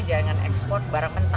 jangan ekspor barang mentah